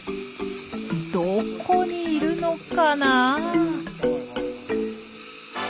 どこにいるのかなあ？